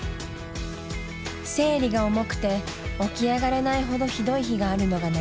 生理が重くて起き上がれないほどひどい日があるのが悩み。